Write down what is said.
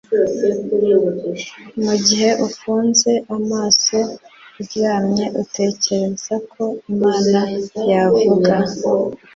mugihe ufunze amaso uryamye utekereza ko imana yavuga